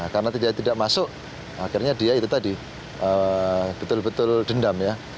karena tidak masuk akhirnya dia itu tadi betul betul dendam ya